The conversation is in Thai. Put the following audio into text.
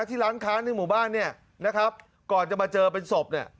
ที่ร้านค้าในหมู่บ้านเนี่ยนะครับก่อนจะมาเจอเป็นศพเนี่ย